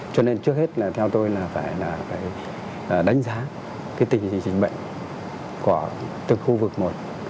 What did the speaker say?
cho nên trước hết là theo tôi là phải đánh giá cái tình trình trình bệnh của từng khu vực một